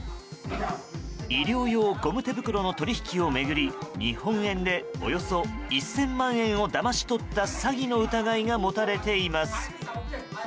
医療用ゴム手袋の取引を巡り日本円で、およそ１０００万円をだまし取った詐欺の疑いが持たれています。